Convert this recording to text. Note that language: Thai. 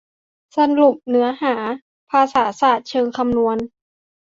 สรุปเนื้อหา ภาษาศาสตร์เชิงคำนวณ